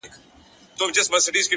اخلاص باور ژوروي!